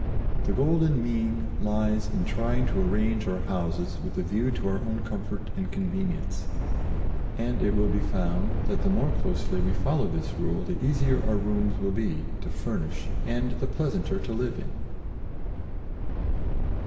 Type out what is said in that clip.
The golden mean lies in trying to arrange our houses with a view to our own comfort and convenience; and it will be found that the more closely we follow this rule the easier our rooms will be to furnish and the pleasanter to live in.